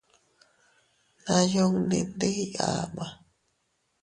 Nayunni ndiiy ama.